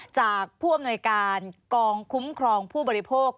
จากผู้อำนวยการกองคุ้มครองผู้บริโภค